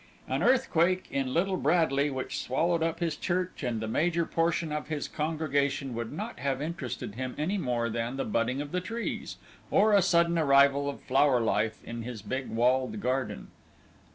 An earthquake in Little Bradley which swallowed up his church and the major portion of his congregation would not have interested him any more than the budding of the trees, or a sudden arrival of flower life in his big walled garden.